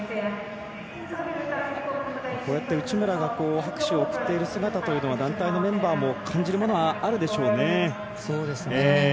こうやって、内村が拍手を送っている姿団体メンバーも感じるものがあるでしょうね。